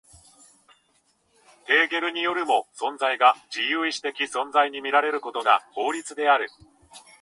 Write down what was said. ヘーゲルによるも、存在が自由意志的存在と見られることが法律である。